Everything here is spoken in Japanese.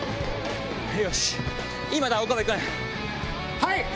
はい！